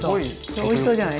おいしそうじゃない？